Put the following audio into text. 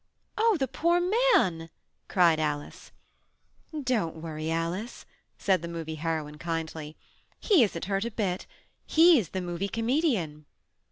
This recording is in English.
"Oh, the poor man!" cried Alice. "Don't worry, Alice," said the Movie Heroine kindly. "He isn't hurt a bit. He's the Movie Comedian."